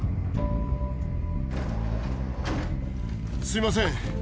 すいません。